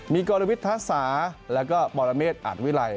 มีกรวิทธาษาและก็ปรเมศอาทวิรัย